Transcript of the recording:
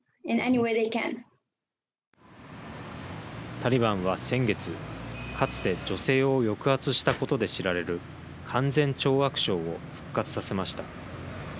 タリバンは先月かつて女性を抑圧したことで知られる勧善懲悪省を復活させました。